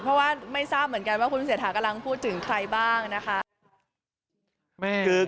เพราะว่าไม่ทราบเหมือนกันว่าคุณเศรษฐากำลังพูดถึงใครบ้างนะคะ